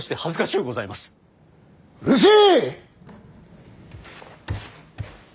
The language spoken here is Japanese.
うるせえ！